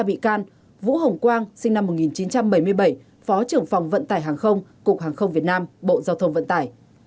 ba bị can vũ hồng quang sinh năm một nghìn chín trăm bảy mươi bảy phó trưởng phòng vận tải hàng không cục hàng không việt nam bộ giao thông vận tải